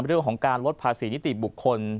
เรื่องของการลดภาษีนิติบุคคล